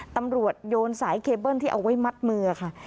ตำรวจโยนสายเคเบิ้ลที่เอาไว้มัดมือค่ะ